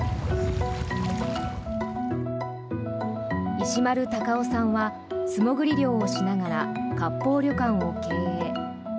石丸隆夫さんは素潜り漁をしながら割烹旅館を経営。